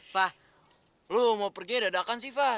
fah lo mau pergi ada dakan sih fah